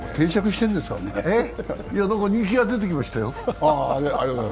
人気は出てきましたよ。